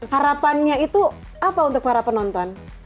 harapannya itu apa untuk para penonton